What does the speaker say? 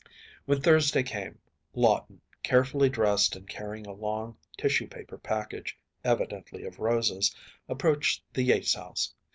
When Thursday came, Lawton, carefully dressed and carrying a long tissue paper package, evidently of roses, approached the Yates house.